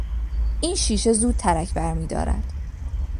این شیشه زود ترک برمیدارد.